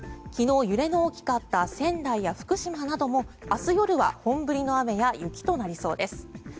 昨日、揺れの大きかった仙台や福島なども明日夜は本降りの雨や雪となりそうです。